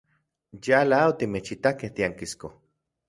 Yala otimechitakej tiankisko.